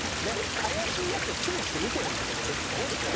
怪しいヤツを注意して見てるんだと思うよいつもね。